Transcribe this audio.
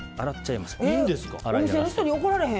お店の人に怒られへん？